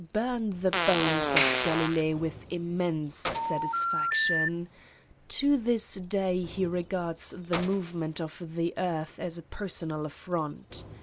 burn the bones of Galilee with immense satisfaction : to this day he regards the movement of the earth as a personal affront.